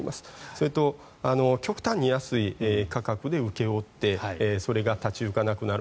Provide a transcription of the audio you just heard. それと極端に安い価格で請け負ってそれが立ち行かなくなる。